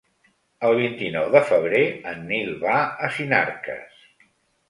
El vint-i-nou de febrer en Nil va a Sinarques.